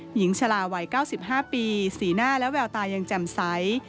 หญิงชะลาวัย๙๕ปีสีหน้าและแววตายังแจ่มใส